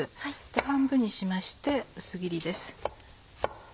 半分にしまして薄切りです。